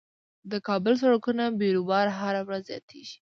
د کابل سړکونو کې بیروبار هر ورځ زياتيږي.